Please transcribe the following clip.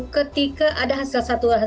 ketika ada hasil hasil yang terjadi